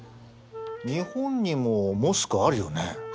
日本にもモスクあるよね。